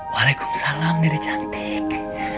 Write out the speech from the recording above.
waalaikumsalam diri cantik